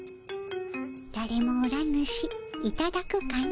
だれもおらぬしいただくかの。